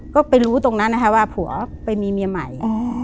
ก็ไปรู้ตรงนั้นนะคะว่าผัวไปมีเมียใหม่